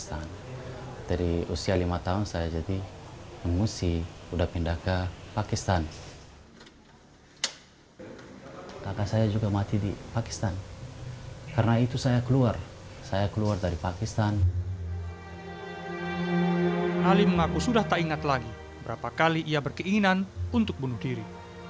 alim maku sudah tak ingat lagi berapa kali ia berkeinginan untuk bunuh diri